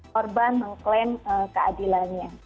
korban mengklaim keadilannya